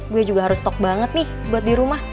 gue juga harus stok banget nih buat dirumah